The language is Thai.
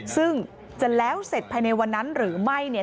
ซึ่งจะแล้วเสร็จภายในวันนั้นหรือไม่เนี่ย